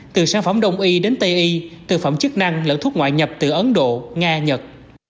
từ sản phẩm đông y đến tây y thực phẩm chức năng lẫn thuốc ngoại nhập từ ấn độ nga nhật